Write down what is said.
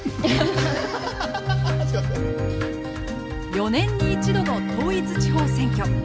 ４年に１度の統一地方選挙。